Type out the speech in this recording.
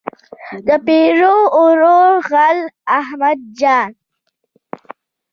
د پیرو ورور غل احمد جان.